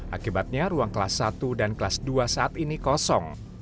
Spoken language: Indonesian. akibatnya ruang kelas satu dan kelas dua saat ini kosong